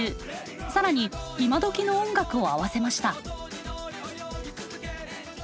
更に今どきの音楽を合わせました。